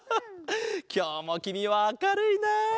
きょうもきみはあかるいな。